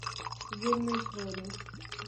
زیرمې ژغورئ.